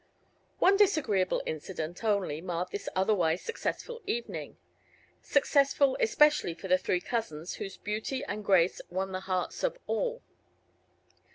One disagreeable incident, only, marred this otherwise successful evening successful especially for the three cousins, whose beauty and grace won the hearts of all.